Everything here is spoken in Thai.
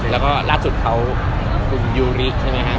แล้วก็ล่าสุดเขาคุณยูริสใช่ไหมครับ